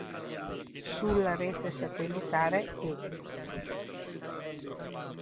Sulla rete satellitare E!